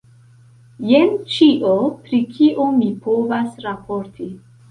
Jen ĉio, pri kio mi povas raporti.